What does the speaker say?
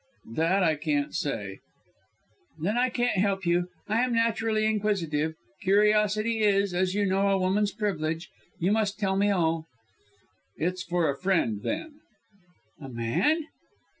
"That I can't say." "Then I can't help you. I am naturally inquisitive; curiosity is, as you know, a woman's privilege. You must tell me all." "It's for a friend, then!" "A man?"